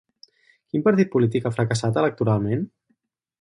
Quin partit polític ha fracassat electoralment?